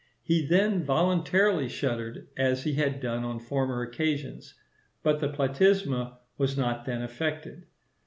He then voluntarily shuddered, as he had done on former occasions, but the platysma was not then affected.